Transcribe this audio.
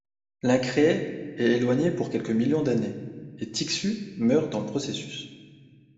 L'Incréé est éloigné pour quelques millions d'années, et Tixu meurt dans le processus.